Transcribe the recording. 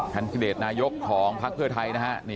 ท่านพิเศษนายกของภักดิ์เพื่อไทยนะฮะ